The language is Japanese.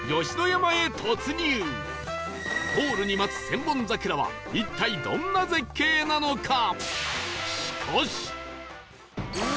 ゴールに待つ千本桜は一体どんな絶景なのか？